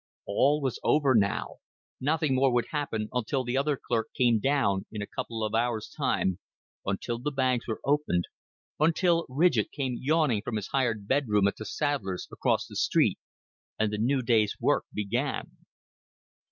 All was over now. Nothing more would happen until the other clerk came down in a couple of hours' time, until the bags were opened, until Ridgett came yawning from his hired bedroom at the saddler's across the street, and the new day's work began.